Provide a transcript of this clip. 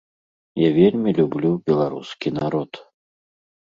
Я вельмі люблю беларускі народ.